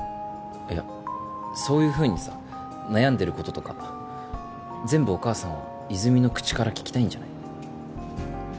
いやそういうふうにさ悩んでることとか全部お母さんは泉の口から聞きたいんじゃない？